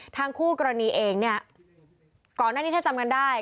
คู่กรณีเองเนี่ยก่อนหน้านี้ถ้าจำกันได้